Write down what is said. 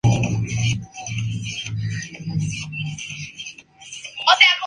Al frente del edificio se encontraba el taller o la tienda.